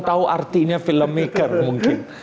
tahu artinya filmmaker mungkin